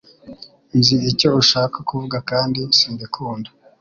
Nzi icyo ushaka kuvuga kandi simbikunda